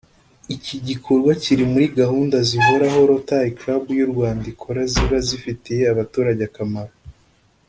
Iki gikorwa kiri muri gahunda zihoraho Rotary Club y’u Rwanda ikora ziba zifitiye abaturage akamaro